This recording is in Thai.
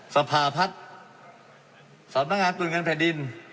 สภาพัฒน์สำนักงานตรวจเงินแผ่นดิน